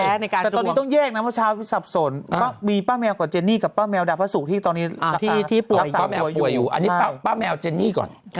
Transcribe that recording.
แต่ตอนนี้ต้องแยกนะเมื่อเช้าสับสนมีพ่อแมวกับเจนี่กับพ่อแมวดาวภาษุที่ตอนนี้ที่ป่าแมวป่าแมวป่าแมวป่าแมวอยู่อันนี้พ่อแมวเจนี่ก่อน